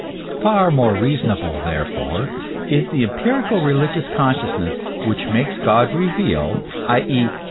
Far more reasonable, therefore, is the empirical religious consciousness, which makes God reveal, i. e.